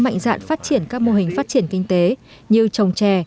mạnh dạn phát triển các mô hình phát triển kinh tế như trồng trè